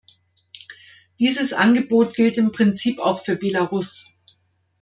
Dieses Angebot gilt im Prinzip auch für Belarus.